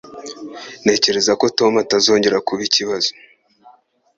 Ntekereza ko Tom atazongera kuba ikibazo